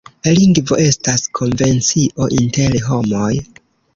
Lingvo estas konvencio inter homoj.